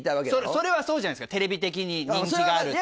それはそうじゃないですかテレビ的に人気があるって。